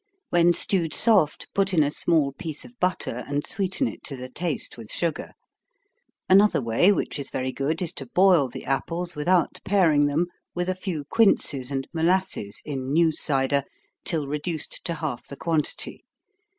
When stewed soft, put in a small piece of butter, and sweeten it to the taste, with sugar. Another way, which is very good, is to boil the apples, without paring them, with a few quinces and molasses, in new cider, till reduced to half the quantity.